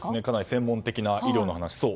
かなり専門的な医療の話。